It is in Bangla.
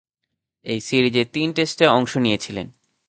এ সিরিজের তিন টেস্টে অংশ নিয়েছিলেন।